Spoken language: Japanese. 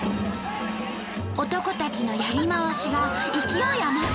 男たちの「やりまわし」が勢い余った映像。